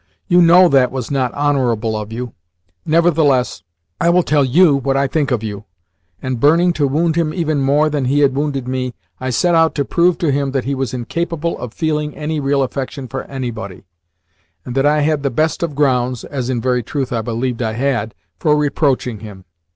You know that was not honourable of you. Nevertheless, I will tell YOU what I think of you," and, burning to wound him even more than he had wounded me, I set out to prove to him that he was incapable of feeling any real affection for anybody, and that I had the best of grounds (as in very truth I believed I had) for reproaching him.